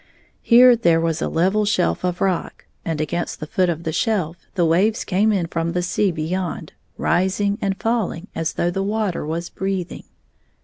Here there was a level shelf of rock, and against the foot of the shelf the waves came in from the sea beyond, rising and falling as though the water was breathing.